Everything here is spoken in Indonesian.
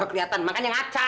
tapi kenapa depan cobanierin